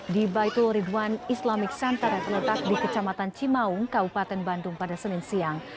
di baitul ridwan islamic center yang terletak di kecamatan cimaung kabupaten bandung pada senin siang